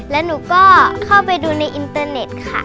แล้วหนูก็เข้าไปดูในอินเตอร์เน็ตค่ะ